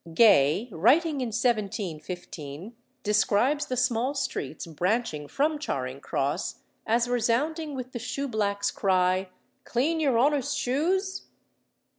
Gay, writing in 1715, describes the small streets branching from Charing Cross as resounding with the shoeblacks' cry, "Clean your honour's shoes?"